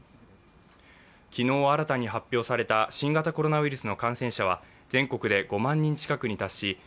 昨日新たに発表された新型コロナウイルスの感染者は、全国で５万人近くに達し